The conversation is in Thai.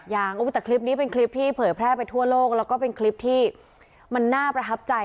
ยังแต่คลิปนี้เป็นคลิปที่เผยแพร่ไปทั่วโลกแล้วก็เป็นคลิปที่มันน่าประทับใจ